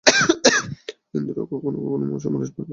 ইন্দ্র কখনও কখনও সোমরস পান করিয়া মত্ত হইয়া পড়িতেন।